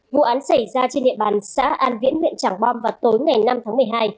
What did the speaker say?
vụ án xảy ra trên địa bàn xã an viễn huyện tràng bom vào tối ngày năm tháng một mươi hai